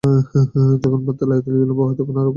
যখন বার্তা লইতে বিলম্ব হয়, তখন আরাে কতদূর!